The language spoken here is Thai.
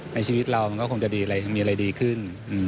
ในชีวิตเรามันก็คงจะมีอะไรดีขึ้น